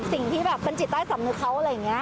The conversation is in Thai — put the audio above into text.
สิ่งที่แบบเป็นจิตใต้สำนึกเขาอะไรอย่างนี้